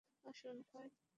আসুন, হাই!